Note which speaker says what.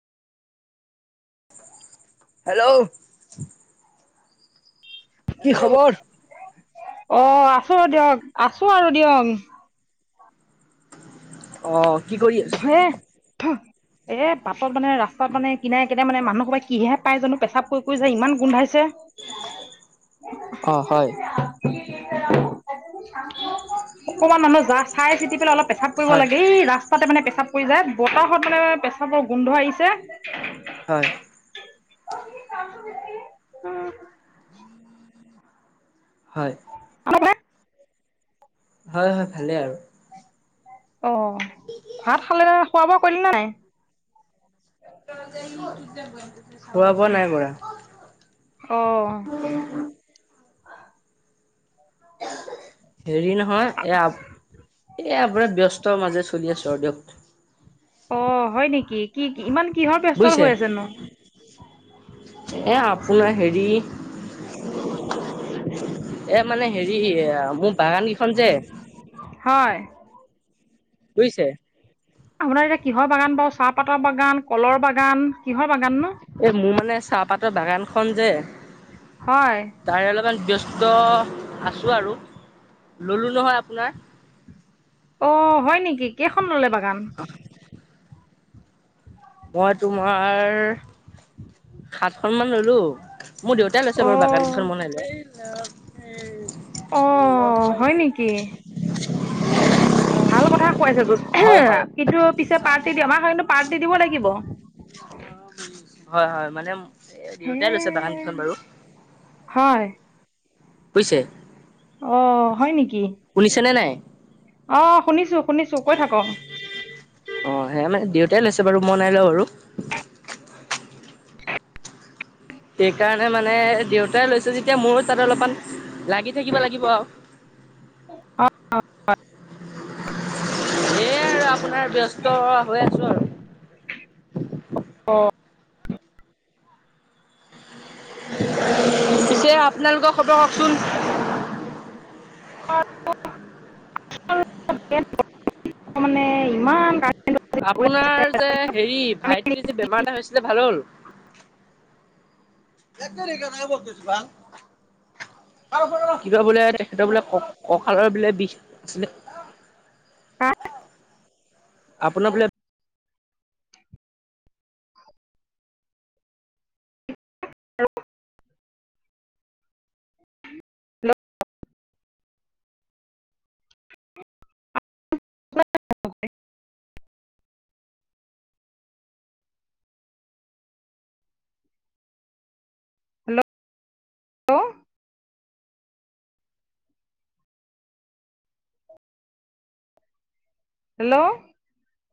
Speaker 1: Hello কি খবৰ
Speaker 2: অ আছো দিয়ক আছো আৰু দিয়ক
Speaker 1: অ কি কৰি আছা
Speaker 2: [inaudible] এ বাটত মানে ৰাস্তাত মানে কিনাই কনে মানে মানুহৰ পৰা কিহে পাই জানো পেচাব কৰি কৰিছে ইমান গোন্ধাইছে [inaudible]
Speaker 1: অ হয়
Speaker 2: অকমান মানুহ যা চাই চিতি পেলাই অলপ পেচাপ কৰিব
Speaker 1: হয়
Speaker 2: লাগে এই ৰাস্তাতে মানে পেচাব কৰি যায় বতাহত মানে পেচাবৰ গোন্ধ আহিছে
Speaker 1: হয়
Speaker 2: [unintelligible]
Speaker 1: হয়
Speaker 2: [unintelligible]
Speaker 1: হয় হয় ভালেই আৰু
Speaker 2: অ ভাত খালে ন খোৱা বোৱা কৰিলে নে নাই
Speaker 1: খোৱা বোৱা নাই কৰা
Speaker 2: অঁ
Speaker 1: হেৰি নহয় এয়া এয়া বোৰে ব্যস্ত মাজে চলি আছো আৰু দিয়ক
Speaker 2: অ হয় নেকি কি কি ইমান কিহৰ ব্যস্ত
Speaker 1: বুজিছে
Speaker 2: হৈ আছে নো
Speaker 1: এ আপোনাৰ হেৰি এ মানে হেৰি মোৰ বাগান কেইখন যে
Speaker 2: হয়
Speaker 1: বুজিছে
Speaker 2: আপোনাৰ এতিয়া কিহৰ বাগান বাৰু চাহপাতৰ বাগান, কলৰ বাগান, কিহৰ বাগান ন
Speaker 1: এ মোৰ মানে চাহপাতৰ বাগানখন যে
Speaker 2: হয়
Speaker 1: তাৰে অলপমান ব্যস্ত আছোঁ আৰু। ল'লোঁ নহয় আপোনাৰ।
Speaker 2: অ' হয় নেকি? কেইখন ল'লে বাগান?
Speaker 1: [inaudible] মই তোমাৰ সাতখন মান ল'লোঁ, মোৰ দেউতাই
Speaker 2: অ
Speaker 1: লৈছে বাৰু বাগানকেইখন মই নাই লোৱা।
Speaker 2: অ' হয় নেকি? ভাল কথা খুৱাইছেচোন
Speaker 1: হয় হয়
Speaker 2: কিন্তু পিছে পাৰ্টি দিয়া হয় [unintelligible] পাৰ্টি দিব লাগিব।
Speaker 1: হয় হয়, মানে
Speaker 2: হে
Speaker 1: দেউতাই লৈছে বাগানকেইখন বাৰু।
Speaker 2: হয়।
Speaker 1: বুজিছে?
Speaker 2: অ', হয় নেকি?
Speaker 1: শুনিছেনে নাই?
Speaker 2: অ' শুনিছোঁ, শুনিছোঁ, কৈ থাকক।
Speaker 1: অ' সেয়া মানে দেউতাই লৈছে বাৰু, মই নাই লোৱা বাৰু। সেই কাৰণে মানে দেউতাই লৈছে যেতিয়া মইও তাত অলপমান লাগি থাকিব লাগিব আৰু।
Speaker 2: [unintelligible]
Speaker 1: সেয়াই আৰু আপোনাৰ ব্যস্ত হৈ আছোঁ আৰু।
Speaker 2: অ'।
Speaker 1: পিছে আপোনালোকৰ খবৰ কওকচোন।
Speaker 2: [unintelligible] মানে ইমান
Speaker 1: আপোনাৰ যে হেৰি ভাইটিৰ যে বেমাৰ এটা হৈছিলে ভাল হ'ল? [unintelligible] কিবা বোলে তেখেতৰ বোলে ক-কঁকালৰ বোলে বিষ হৈছিলে।
Speaker 2: হা?
Speaker 1: আপোনাৰ বোলে
Speaker 2: [unintelligible] হেল্ল' [unintelligible] [inaudible] হেল্ল', [unintelligible] হেল্ল'।